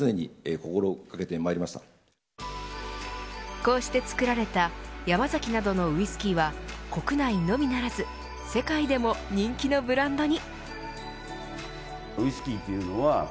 こうして造られた山崎などのウイスキーは国内のみならず世界でも人気のブランドに。